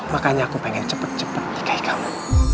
makanya aku pengen cepet cepet nikahi kamu